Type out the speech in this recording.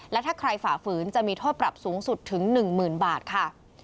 และถ้าใครฝ่าฝืนจะมีโทษปรับสูงสุดถึง๑๐๐๐บาทค่ะ